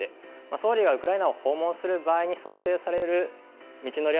総理がウクライナを訪問する場合に想定される道のり。